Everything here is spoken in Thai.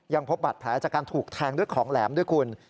พบบัตรแผลจากการถูกแทงด้วยของแหลมด้วยคุณ